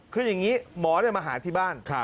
คืออย่างนี้หมอมาหาที่บ้าน